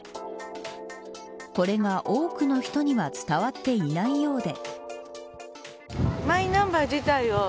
これが、多くの人には伝わっていないようで。